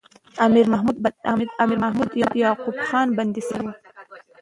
امیر محمد یعقوب خان بندي سوی وو.